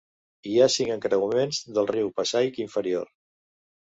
Hi ha cinc encreuaments del riu Passaic inferior.